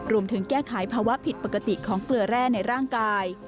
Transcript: รวมถึงแก้ไขภาวะผิดปกติของเกลือแร่ในร่างกาย